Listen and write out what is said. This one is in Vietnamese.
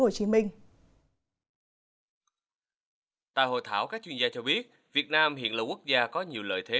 tại hội thảo các chuyên gia cho biết việt nam hiện là quốc gia có nhiều lợi thế